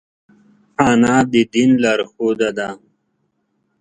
انا د دین لارښوده ده